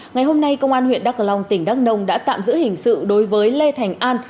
ngày hôm nay công an huyện đắk cờ long tỉnh đắk nông đã tạm giữ hình sự đối với lê thành an